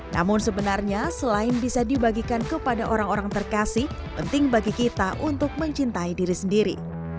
namun sebenarnya selain bisa dibagikan kepada orang orang terkasih penting bagi kita untuk mencintai diri sendiri